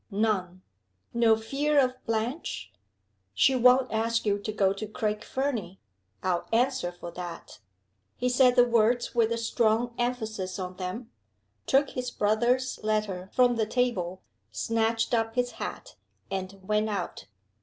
"None." "No fear of Blanche " "She won't ask you to go to Craig Fernie I'll answer for that!" He said the words with a strong emphasis on them, took his brother's letter from the table, snatched up his hat, and went out.